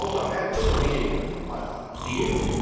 ちょっと見ていきましょう。